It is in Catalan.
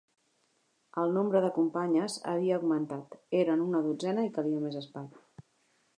El nombre de companyes havia augmentat, eren una dotzena i calia més espai.